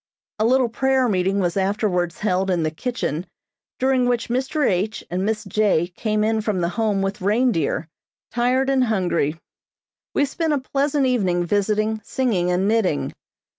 A little prayer meeting was afterwards held in the kitchen during which Mr. H. and Miss J. came in from the Home with reindeer, tired and hungry. We spent a pleasant evening visiting, singing and knitting.